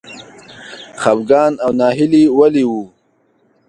خپګان او ناهیلي ولې و؟